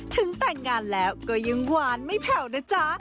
ถึงแต่งงานแล้วก็ยังหวานไม่แผ่วนะจ๊ะ